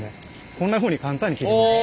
こんなふうに簡単に切れるんです。